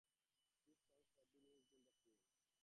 Three songs have been used in the film.